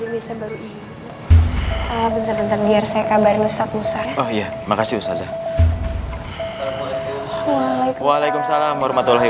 bentar bentar biar saya kabarin ustadz musa oh iya makasih ustazah waalaikumsalam warahmatullahi